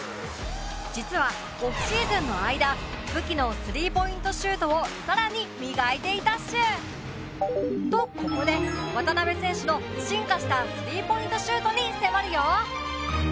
実はオフシーズンの間武器の３ポイントシュートをさらに磨いていたっシュ！とここで渡邊選手の進化した３ポイントシュートに迫るよ！